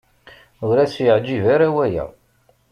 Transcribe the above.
Ur as-yeɛjib ara waya.